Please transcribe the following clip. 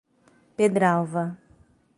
Pedralva